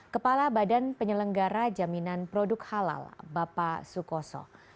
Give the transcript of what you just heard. kepala badan penyelenggara jaminan produk halal bapak sukoso